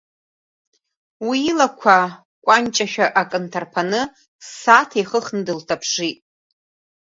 Уи илақәа кәанҷашәа акы нҭарԥаны, ссааҭ еихыхны дылҭаԥшит.